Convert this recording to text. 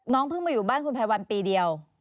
น้องเพิ่งมาอยู่บ้านคุณภัยวัลปีเดียว